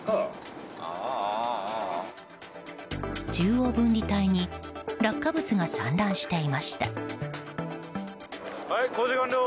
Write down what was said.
中央分離帯に落下物が散乱していました。